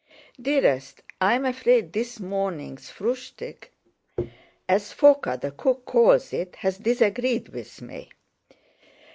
"Dearest, I'm afraid this morning's fruschtique *—as Fóka the cook calls it—has disagreed with me."